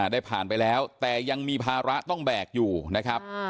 ได้ผ่านไปแล้วแต่ยังมีภาระต้องแบกอยู่นะครับ